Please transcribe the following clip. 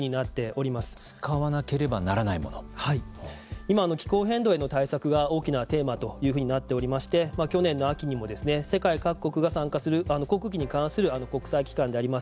今、気候変動への対策が大きなテーマというふうになっておりまして去年の秋にも世界各国が参加する航空機に関する国際機関であります